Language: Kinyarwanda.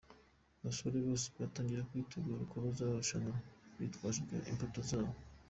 abasore bose batangira kwitegura uko bazarushanwa bitwaje ibyo imbuto zabo.